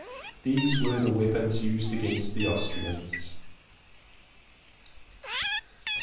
These were the weapons used against the Austrians.